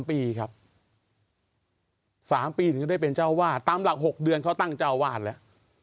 ๓ปีครับ๓ปีถึงก็ได้เป็นเจ้าวาดตามหลัก๖เดือนเขาตั้งเจ้าวาดแล้ว